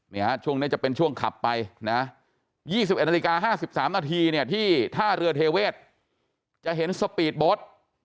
ช่วงนี้จะเป็นช่วงขับไปนะ๒๑นาฬิกา๕๓นาทีเนี่ยที่ท่าเรือเทเวศจะเห็นสปีดโบ๊ท